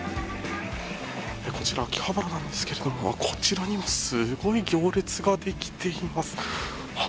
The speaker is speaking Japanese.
こちら秋葉原なんですけれどもこちらにはすごい行列ができています。